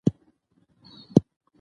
موږ باید په ساینس باندې تمرکز زیات کړو